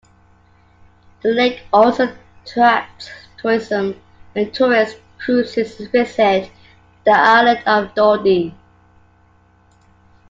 The lake also attracts tourism, and tourist cruises visit the island of Dodi.